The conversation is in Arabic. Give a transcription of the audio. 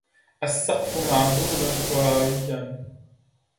السقف معزول حرارياً.